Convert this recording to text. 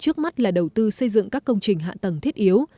trước mắt là đầu tư xây dựng các công trình hạ tầng thiết yếu